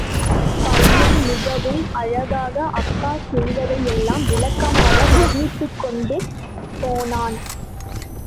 பையன் மிகவும் அழகாக அப்பா செய்ததையெல்லாம் விளக்கமாக வருணித்துக்கொண்டே போனான்.